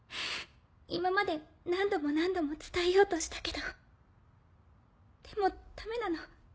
今まで何度も何度も伝えようとしたけどでもダメなの。